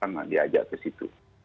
akan diajak ke situ